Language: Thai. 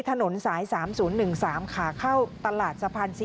ถนนสาย๓๐๑๓ขาเข้าตลาดสะพาน๔